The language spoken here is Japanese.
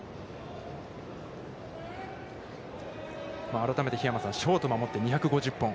改めて桧山さん、ショートを守って２５０本。